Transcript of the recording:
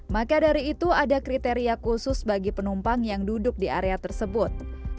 maka dari itu ada kriteria khusus bagi penumpang yang duduk di area tersebut